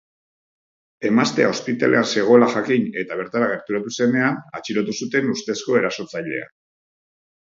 Emaztea ospitalean zegoela jakin eta bertara gerturatu zenean atxilotu zuten ustezko erasotzailea.